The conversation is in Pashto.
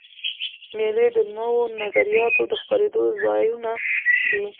مېلې د نوو نظریاتو د خپرېدو ځایونه دي.